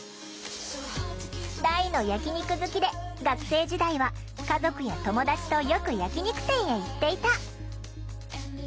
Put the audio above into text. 大の焼き肉好きで学生時代は家族や友だちとよく焼き肉店へ行っていた。